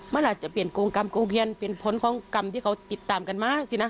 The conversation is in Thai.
มันอาจจะเปลี่ยนกงกรรมเป็นฝนกรรมที่เขาติดต่ำกันมาสินะ